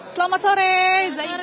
selamat sore zaidah